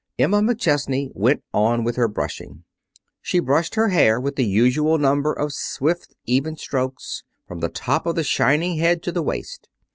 Emma McChesney went on with her brushing. She brushed her hair with the usual number of swift even strokes, from the top of the shining head to the waist.